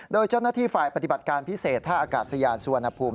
โดยเจ้าหน้าที่ฝ่ายปฏิบัติการพิเศษท่าอากาศยานสุวรรณภูมิ